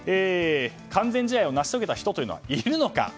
完全試合を成し遂げた人はいるのか。